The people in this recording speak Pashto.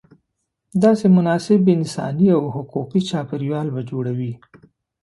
داسې مناسب انساني او حقوقي چاپېریال به جوړوې.